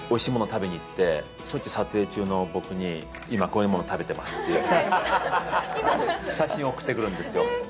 食べに行ってしょっちゅう撮影中の僕に「今こういうもの食べてます」っていう写真を送ってくるんですよえ